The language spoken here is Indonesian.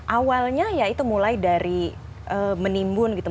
awalnya ya itu mulai dari menimbun gitu